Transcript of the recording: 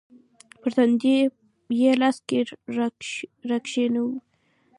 پر تندي يې لاس راکښېښوو.